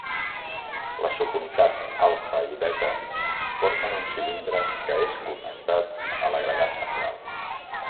Les subunitats alfa i beta formen un cilindre que és connectat a l'agregat central.